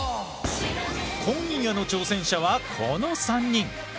今夜の挑戦者はこの３人。